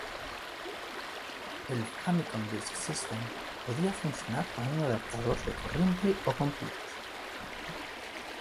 El Famicom Disk System podía funcionar con un adaptador de corriente o con pilas.